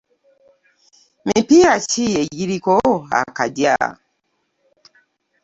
Mipiira ki egiriko akagya?